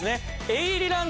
エイリラン